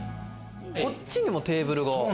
こっちにもテーブルが。